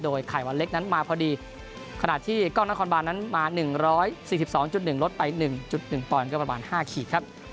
โดยไข่บัลเล็กนั้นมาพอดีขนาดที่ก้อน่าคอนบาลนั้นมา๑๔๒๑ลดไป๑๑๒๕